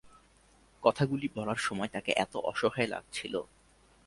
কথাগুলি বলার সময় তাকে এত অসহায় লাগছিল!